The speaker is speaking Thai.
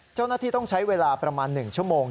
เจ้าหน้าที่ต้องใช้เวลาประมาณ๑ชั่วโมง